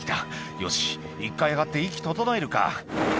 「よし１回上がって息整えるか」